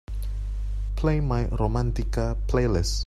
Play my Romántica playlist